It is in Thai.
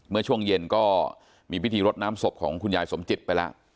เมื่อช่วงเย็นก็มีพิธีรดน้ำศพของคุณยายสมจิตไปแล้ว